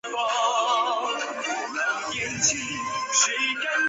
她的经济在欧洲仅次于德国。